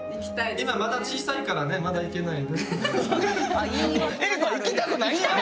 今まだ小さいからねまだ行けないよね。